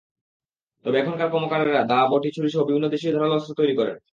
তবে এখানকার কর্মকারেরা দা, বঁটি, ছুরিসহ বিভিন্ন দেশীয় ধারালো অস্ত্র তৈরি করেন।